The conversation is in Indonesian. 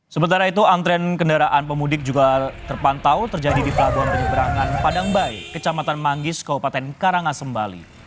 sementara itu antrean kendaraan pemudik juga terpantau terjadi di pelabuhan penyeberangan padangbai kecamatan manggis kabupaten karangasem bali